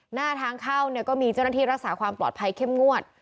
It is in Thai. หน้าทางเข้าเนี่ยก็มีเจ้าหน้าที่รักษาความปลอดภัยเข้มงวด